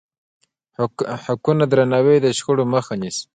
د حقونو درناوی د شخړو مخه نیسي.